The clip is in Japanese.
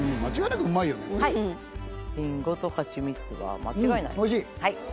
リンゴとハチミツは間違いない。